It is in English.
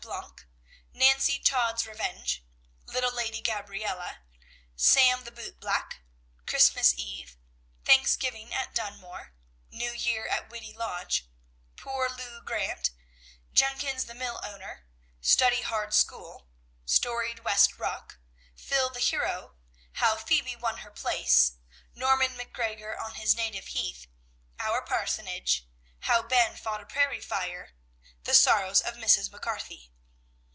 Blanc; Nancy Todd's Revenge; Little Lady Gabrielle; Sam the Boot black; Christmas Eve; Thanksgiving at Dunmoore; New Year at Whitty Lodge; Poor Loo Grant; Jenkins, the Mill Owner; Studyhard School; Storied West Rock; Phil, the Hero; How Phebe Won Her Place; Norman McGreggor on his Native Heath; Our Parsonage; How Ben Fought a Prairie Fire; The Sorrows of Mrs. McCarthy.